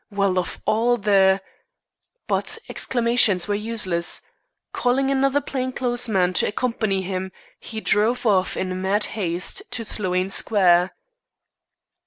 Well, of all the " But exclamations were useless. Calling another plain clothes man to accompany him, he drove off in mad haste to Sloane Square.